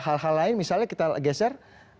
hal hal lain misalnya kita geser